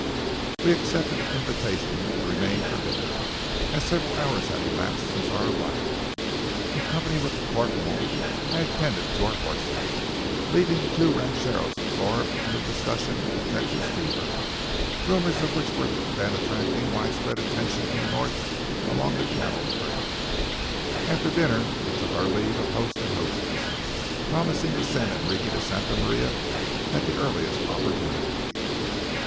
We accepted an invitation to remain for dinner, as several hours had elapsed since our arrival. In company with the corporal, I attended to our horses, leaving the two rancheros absorbed in a discussion of Texas fever, rumors of which were then attracting widespread attention in the north along the cattle trails. After dinner we took our leave of host and hostess, promising to send Enrique to Santa Maria at the earliest opportunity.